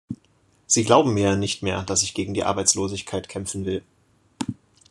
Sie glauben mir ja nicht mehr, dass ich gegen die Arbeitslosigkeit kämpfen will.